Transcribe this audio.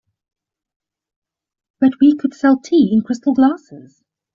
But we could sell tea in crystal glasses.